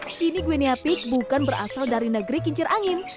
skinny guinea pig bukan berasal dari negeri kincir angin